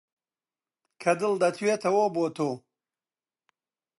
کە دڵ دەتوێتەوە بۆ تۆ